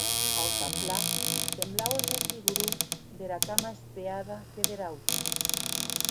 Autanplan semblaue mès vigorós dera cama espeada que dera auta.